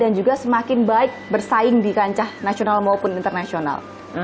dan juga semakin baik bersaing di kancah nasional maupun internasional